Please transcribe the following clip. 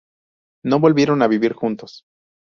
No volvieron a vivir juntos.